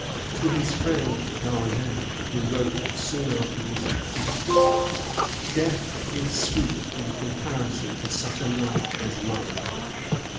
To his friend D'Argens he wrote soon after his defeat: "Death is sweet in comparison to such a life as mine.